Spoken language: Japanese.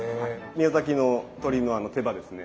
宮崎の鶏の手羽ですね。